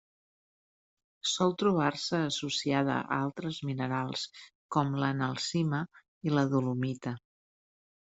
Sol trobar-se associada a altres minerals com l'analcima i la dolomita.